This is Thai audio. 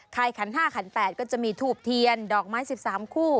ขัน๕ขัน๘ก็จะมีทูบเทียนดอกไม้๑๓คู่